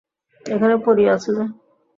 এখানে পড়িয়া আছ যে?